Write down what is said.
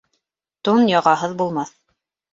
Тун яғаһыҙ булмаҫ